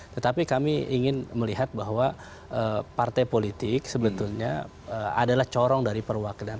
tetapi kami ingin melihat bahwa partai politik sebetulnya adalah corong dari perwakilan